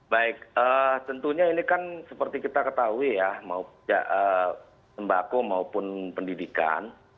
baik tentunya ini kan seperti kita ketahui ya mau sembako maupun pendidikan